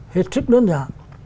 hiệt sức đơn giản